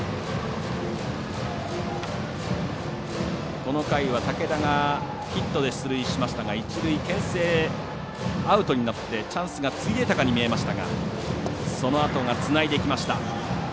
この回は武田がヒットで出塁しましたが一塁けん制アウトになってチャンスがついえたかに見えましたが、そのあとがつないできました。